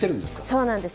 そうなんです。